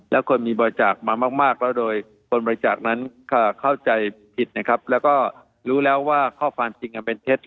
แล้วคนมีบริจาคมามากแล้วโดยคนบริจาคนั้นเข้าใจผิดนะครับแล้วก็รู้แล้วว่าข้อความจริงอันเป็นเท็จ